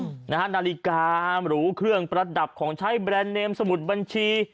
นะฮะนาฬิกาหรูเครื่องประดับของใช้แบรนด์เนมสมุดบัญชี